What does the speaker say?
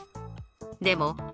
でも